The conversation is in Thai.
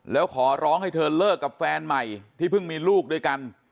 แล้วขอร้องให้เธอเลิกกับแฟนใหม่ที่เพิ่งมีลูกด้วยกัน